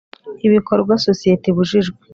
Ibikorwa sosiyete ibujijwe